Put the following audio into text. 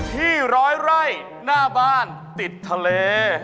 ที่ร้อยไร่หน้าบ้านติดทะเล